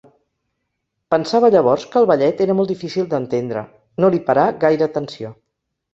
Pensava llavors que el ballet era molt difícil d'entendre, no li parà gaire atenció.